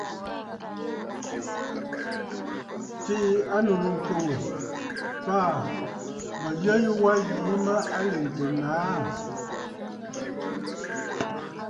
Tsiʼì ànnù nɨ̂ŋkoŋ, faà mə̀ yə yu wa yìi mə lèntə nàâ.